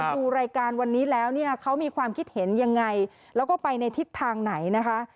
ดูรายการวันนี้แล้วเนี่ยเขามีความคิดเห็นยังไงแล้วก็ไปในทิศทางไหนนะคะ